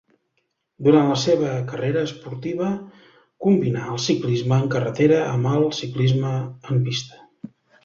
Durant la seva carrera esportiva combinà el ciclisme en carretera amb el ciclisme en pista.